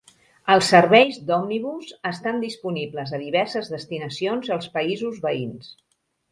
Els serveis d'òmnibus estan disponibles a diverses destinacions als països veïns.